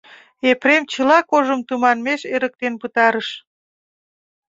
Епрем чыла кожым тыманмеш эрыктен пытарыш.